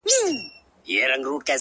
څوک ده چي راګوري دا و چاته مخامخ يمه،